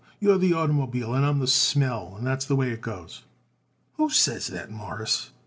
You are the oitermobile and I am the smell, and that's the way it goes." "Who says that, Mawruss?"